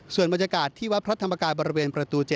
ส่วนบรรยากาศที่วัดพระธรรมกายบริเวณประตู๗